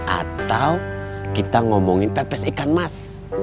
atau kita ngomongin pepes ikan mas